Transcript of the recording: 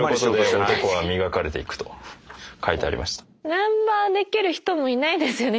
ナンパできる人もいないですよね